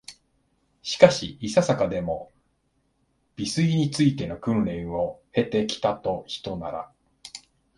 しかし、いささかでも、美醜に就いての訓練を経て来たひとなら、